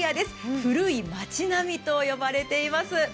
古い町並と呼ばれています。